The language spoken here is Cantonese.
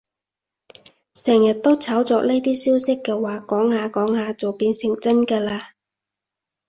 成日都炒作呢啲消息嘅話，講下講下就變成真㗎喇